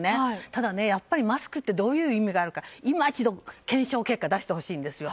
ただ、やっぱりマスクってどういう意味があるか今一度、検証結果を出してほしいんですよ。